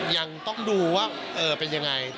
ยังต้องดูว่าเป็นยังไง